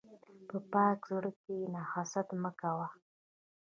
په پاک زړه کښېنه، حسد مه کوه.